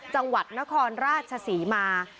จังหวัดนครราชศรีมา